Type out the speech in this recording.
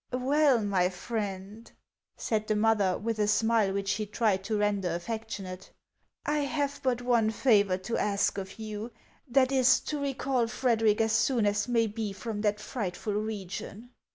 " Well, my friend," said the mother, with a smile which she tried to render affectionate, " I have but one favor to ask of you, — that is, to recall Frederic as soon as may be from that frightful region."